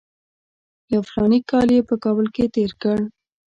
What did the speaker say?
یو فلاني کال یې په کابل کې تېر کړ.